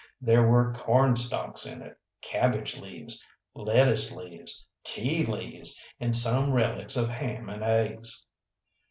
There were cornstalks in it, cabbage leaves, lettuce leaves, tea leaves, and some relics of ham and eggs.